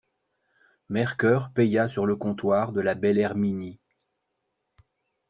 Mercœur paya sur le comptoir de la belle Herminie.